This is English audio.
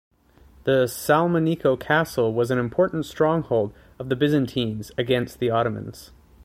The Salmeniko Castle was an important stronghold of the Byzantines against the Ottomans.